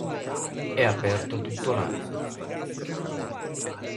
È aperto tutto l'anno.